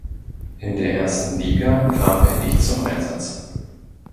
In der ersten Liga kam er nicht zum Einsatz.